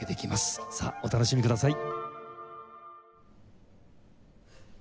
さあお楽しみください。